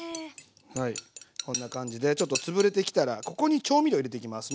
はいこんな感じでちょっと潰れてきたらここに調味料を入れていきます。